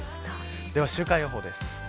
では週間予報です。